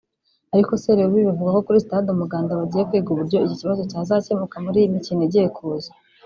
ariko Serubibi avuga ko kuri Stade Umuganda bagiye kwiga uburyo iki kibazo cyazakemuka muri iyi mikino igiye kuza